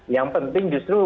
yang penting justru